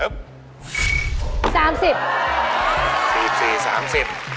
๓๐บาท